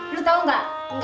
lo tau gak